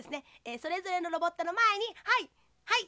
それぞれのロボットのまえにはいはい。